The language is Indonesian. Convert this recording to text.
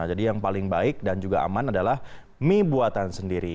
yang paling baik dan juga aman adalah mie buatan sendiri